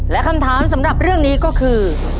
และคำถามสำหรับเรื่องนี้ก็คือ